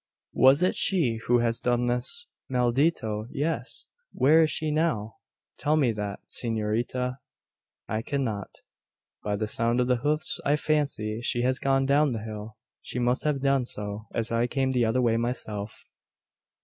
"Was it she who has done this?" "Maldito, yes! Where is she now? Tell me that, s'norita." "I cannot. By the sound of the hoofs I fancy she has gone down the hill. She must have done so, as I came the other way myself."